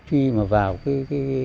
khi mà vào cái